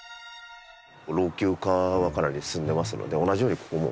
老朽化はかなり進んでますので同じようにここも。